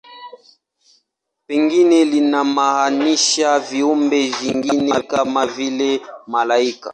Pengine linamaanisha viumbe vingine, kama vile malaika.